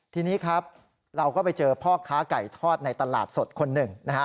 ทีนี้ครับเราก็ไปเจอพ่อค้าไก่ทอดในตลาดสดคนหนึ่งนะฮะ